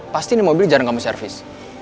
pasti ini mobil jarang kamu service